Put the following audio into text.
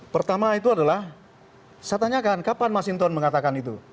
pertama itu adalah saya tanyakan kapan mas hinton mengatakan itu